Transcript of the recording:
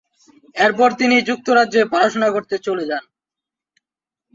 এরপর তিনি যুক্তরাজ্যে পড়াশোনা করতে চলে যান।